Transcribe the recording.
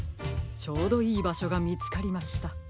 ちょうどいいばしょがみつかりました。